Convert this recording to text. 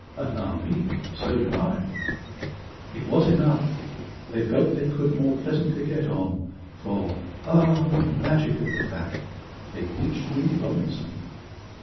"Allow me, so do I." It was enough: they felt they could more pleasantly get on, For (ah, the magic of the fact!) they each knew Robinson!